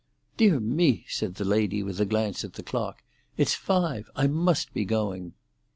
"Dear me!" said the lady, with a glance at the clock. "It's five! I must be going."